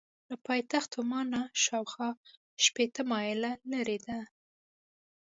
له پایتخت عمان نه شاخوا شپېته مایله لرې ده.